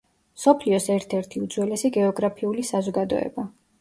მსოფლიოს ერთ-ერთი უძველესი გეოგრაფიული საზოგადოება.